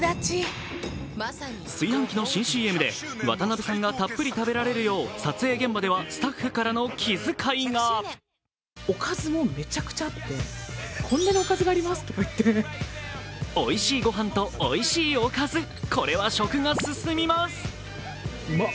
炊飯器の新ＣＭで、渡辺さんがたっぷり食べられるよう、撮影現場ではスタッフからの気遣いがおいしいご飯とおいしいおかずこれは食が進みます。